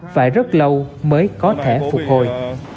phải rất lâu mới có thể phục hồi